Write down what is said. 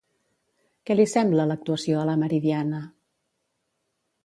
Què li sembla l'actuació a la Meridiana?